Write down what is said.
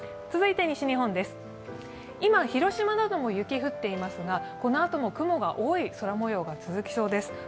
続いて西日本です、今、広島なども雪降っていますが、この後も雲が多い空もようが続きそうです。